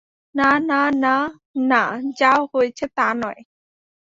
না না না - না, যা হয়েছে তা নয়।